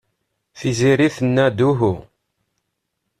Tiziri tenna-d uhu.